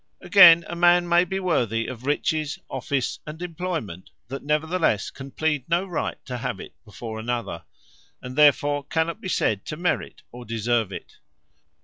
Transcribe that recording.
Again, a man may be Worthy of Riches, Office, and Employment, that neverthelesse, can plead no right to have it before another; and therefore cannot be said to merit or deserve it.